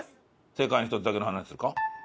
『世界に一つだけの花』にするか？